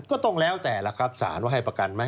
ก็แล้วแต่ล่ะครับสารว่าให้ประกันไหม